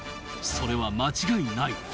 それは間違いない。